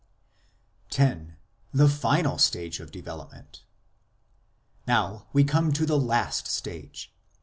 X. THE FINAL STAGE OF DEVELOPMENT Now we come to the last stage.